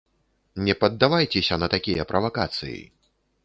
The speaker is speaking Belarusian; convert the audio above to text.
Не паддавайцеся на такія правакацыі.